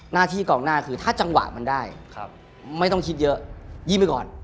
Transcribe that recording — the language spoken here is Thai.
หน้าที่กองหน้าคือถ้าจังหวะมันได้ไม่ต้องคิดเยอะยิ้มไปก่อน